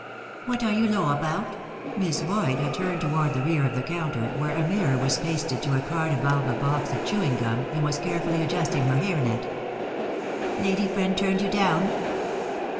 "What are you low about?" Miss Boyd had turned toward the rear of the counter, where a mirror was pasted to a card above a box of chewing gum, and was carefully adjusting her hair net. "Lady friend turned you down?"